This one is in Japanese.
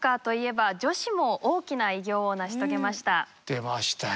出ましたよ。